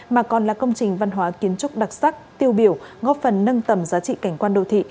mà còn là công trình văn hóa kiến trúc đặc sắc tiêu biểu góp phần nâng tầm giá trị cảnh quan đô thị